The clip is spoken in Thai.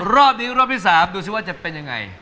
รอบนี้รอบที่๓ดูสิว่าจะเป็นยังไง